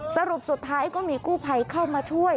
สรุปสุดท้ายก็มีกู้ภัยเข้ามาช่วย